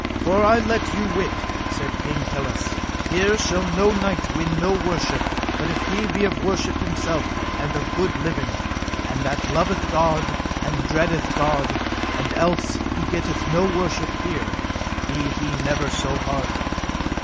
For I let you wit, said King Pelles, here shall no knight win no worship but if he be of worship himself and of good living, and that loveth God and dreadeth God, and else he getteth no worship here, be he never so hardy.